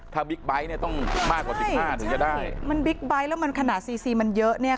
ถ้าบิ๊กไบท์เนี่ยต้องมากกว่าสิบห้าถึงจะได้มันบิ๊กไบท์แล้วมันขนาดซีซีมันเยอะเนี้ยค่ะ